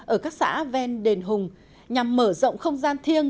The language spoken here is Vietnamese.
ở các xã ven đền hùng nhằm mở rộng không gian thiêng